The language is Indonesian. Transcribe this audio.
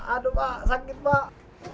aduh pak sakit pak